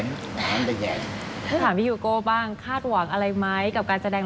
ในพัฒนาว่าตอนแรกเราจะเป็นลาครและอัลอย่าง